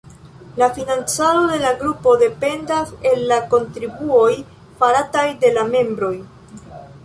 La financado de la grupo dependas el la kontribuoj farataj de la membroj.